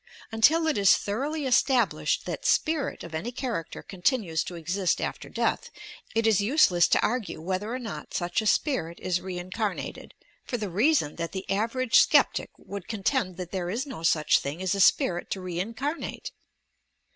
Until it is thoroughly established that "spirit" of any character continues to exist after death, it is useless to argue whether or not such a spirit is "reincarnated," for the reason that the average sceptic would contend that there is no such thing as a spirit to reincarnate!